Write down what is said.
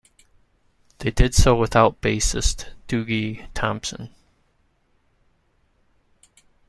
They did so without bassist Dougie Thomson.